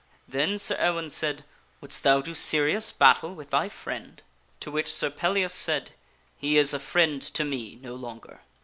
Then Sir Ewaine said, " Wouldst thou do serious battle with thy friend?" To which Sir Pellias said, " He is a friend to me no longer."